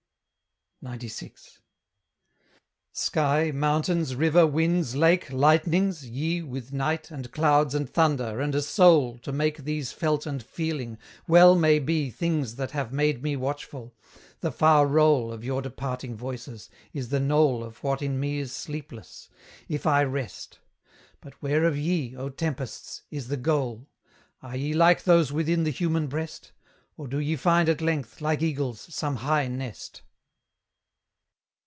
XCVI. Sky, mountains, river, winds, lake, lightnings! ye, With night, and clouds, and thunder, and a soul To make these felt and feeling, well may be Things that have made me watchful; the far roll Of your departing voices, is the knoll Of what in me is sleepless, if I rest. But where of ye, O tempests! is the goal? Are ye like those within the human breast? Or do ye find at length, like eagles, some high nest?